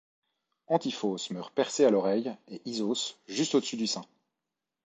Antiphos meurt percé à l'oreille, et Isos juste au-dessus du sein.